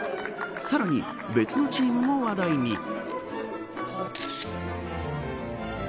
さらに別のチームも話題に。